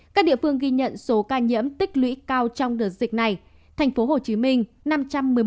các địa phương ghi nhận số ca nhiễm tích lũy cao trong đợt dịch này